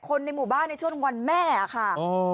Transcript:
ในหมู่บ้านในช่วงวันแม่ค่ะ